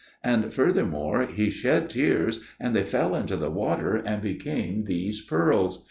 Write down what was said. And furthermore, he shed tears, and they fell into the water and became these pearls."